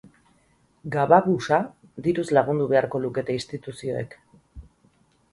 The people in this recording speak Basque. Gababusa diruz lagundu beharko lukete instituzioek.